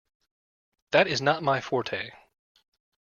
That is not my forte.